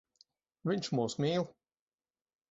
Viņš mūs mīl.